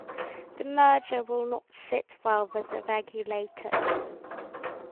The merger will not sit well with the regulators.